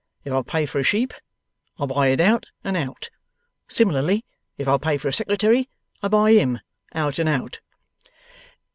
If I pay for a sheep, I buy it out and out. Similarly, if I pay for a secretary, I buy HIM out and out.